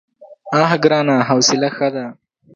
_اه ګرانه! حوصله ښه ده.